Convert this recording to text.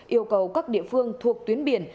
yêu cầu các địa phương thuộc tuyến biển